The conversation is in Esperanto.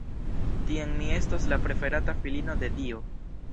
Tiam mi estos la preferata filino de Dio!